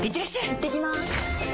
いってきます！